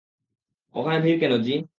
ওখানে ভিড় কেন, জি?